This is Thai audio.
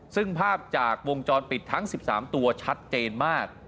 ซึ่งภาพจากวงจรปิดทั้ง๑๓ตัวชัดเจนมาก